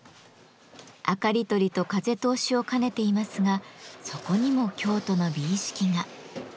明かり取りと風通しを兼ねていますがそこにも京都の美意識が。